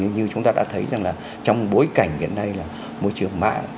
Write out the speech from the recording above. như chúng ta đã thấy rằng là trong bối cảnh hiện nay là môi trường mạng